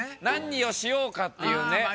なにをしようかっていうね。